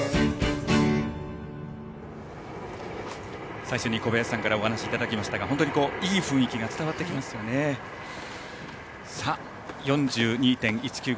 最初に小林さんからお話しいただきましたが本当にいい雰囲気が伝わってきますね。４２．１９５